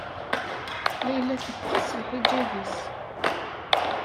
Layla tekkes lḥiǧab-is.